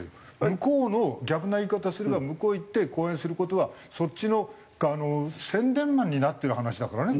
向こうの逆な言い方すれば向こう行って講演する事はそっちの宣伝マンになってる話だからね